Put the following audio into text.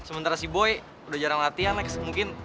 sementara si boy udah jarang latihan next mungkin